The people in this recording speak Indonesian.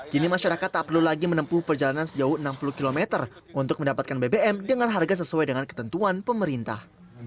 kini masyarakat tak perlu lagi menempuh perjalanan sejauh enam puluh km untuk mendapatkan bbm dengan harga sesuai dengan ketentuan pemerintah